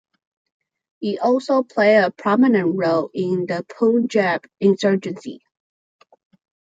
It also played a prominent role in the Punjab insurgency.